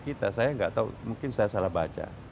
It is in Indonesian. kita saya nggak tahu mungkin saya salah baca